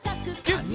ギュッ！